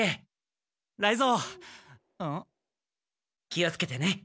気をつけてね。